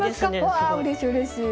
わあうれしいうれしい。